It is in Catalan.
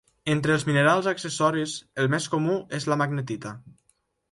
Entre els minerals accessoris el més comú és la magnetita.